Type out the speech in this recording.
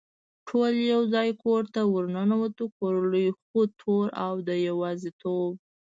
ټول یو ځای کور ته ور ننوتو، کور لوی خو تور او د یوازېتوب.